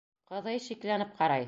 Ҡыҙый шикләнеп ҡарай.